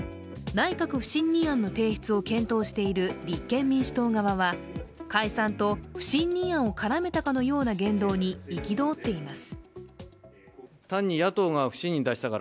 内閣不信任案の提出を検討している立憲民主党側は解散と不信任案を絡めたかのような言動に憤っています。